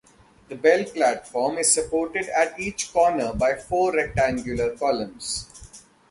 The bell platform is supported at each corner by four rectangular columns.